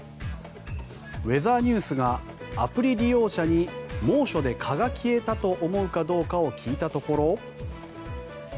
ウェザーニュースがアプリ利用者に猛暑で蚊が消えたと思うかどうかを聞いたところ。